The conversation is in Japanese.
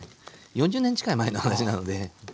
４０年近い前の話なので。